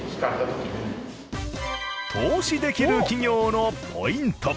投資できる企業のポイント